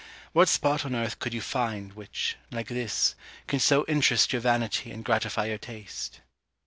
What spot on earth could you find, which, like this, can so interest your vanity and gratify your taste?"